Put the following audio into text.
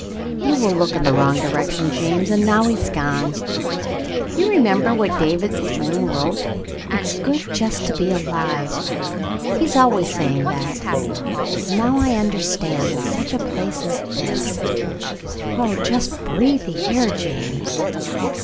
You will look in the wrong direction, James, and now he's gone. You remember what David Thryng wrote? *It's good just to be alive.' He's always say ing that, and now I understand — in such a place as this. Oh, just breathe the air, James!"